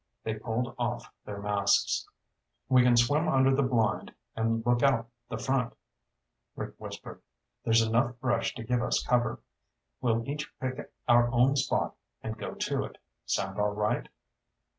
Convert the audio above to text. They pulled off their masks. "We can swim under the blind and look out the front," Rick whispered. "There's enough brush to give us cover. We'll each pick our own spot and go to it. Sound all right?"